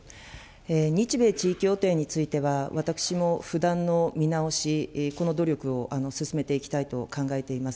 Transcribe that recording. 日米地位協定については、私も不断の見直し、この努力を進めていきたいと考えています。